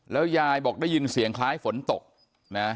ยายบอกได้ยินเสียงคล้ายฝนตกนะ